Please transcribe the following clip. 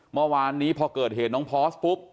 เมื่อวานนี้พอเกิดเหตุน้องพอร์สปุ๊บ